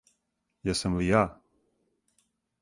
Јесам ли ја?